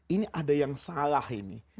ini ada yang salah ini